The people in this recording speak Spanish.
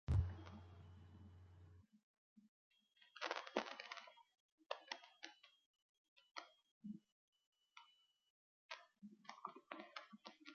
Ese mismo año, se realizó una muestra homenaje en el Centro Cultural Recoleta.